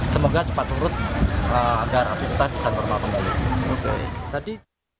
semoga cepat turut agar aktivitas bisa normal kembali